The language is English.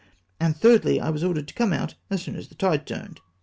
and thirdly, I was ordered to come out as soon as the tide tm^ned